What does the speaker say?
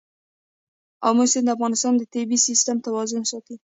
آمو سیند د افغانستان د طبعي سیسټم توازن ساتي.